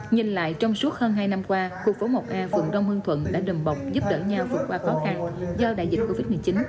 nhìn lại trong suốt hơn hai năm qua khu phố một a phường đông hương thuận đã đầm bọc giúp đỡ nhau vượt qua khó khăn do đại dịch covid một mươi chín